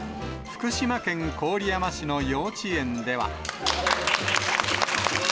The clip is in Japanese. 福島県郡山市の幼稚園では。